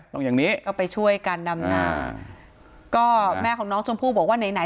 อย่างนี้ก็ไปช่วยกันดำนาก็แม่ของน้องชมพู่บอกว่าไหนไหน